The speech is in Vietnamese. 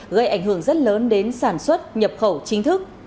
gây ảnh hưởng rất lớn đến sản xuất nhập khẩu chính thức